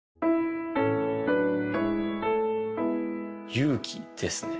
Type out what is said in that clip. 勇気ですね